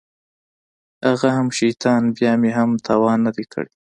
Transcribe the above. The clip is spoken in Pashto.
هغه هم شيطان بيا مې هم تاوان نه دى کړى.